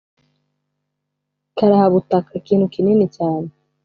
karahabutaka: ikintu kinini cyane.